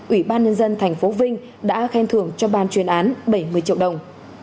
ủy ban nhân dân tp vinh đã khen thưởng cho ban chuyên án bảy mươi triệu đồng